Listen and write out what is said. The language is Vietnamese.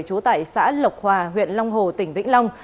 trú tại xã lộc hòa huyện long hồ tỉnh vĩnh long